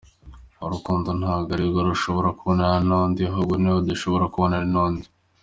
Urukundo ntabwo ari uwo ushobora kubonana nundi; ahubwo ni uwo udashobora kubonana nundi.